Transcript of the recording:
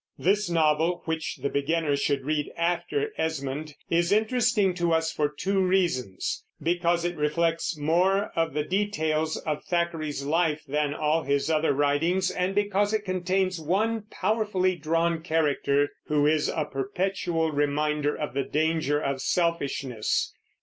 This novel, which the beginner should read after Esmond, is interesting to us for two reasons, because it reflects more of the details of Thackeray's life than all his other writings, and because it contains one powerfully drawn character who is a perpetual reminder of the danger of selfishness.